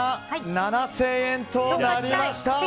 ７０００円となりました。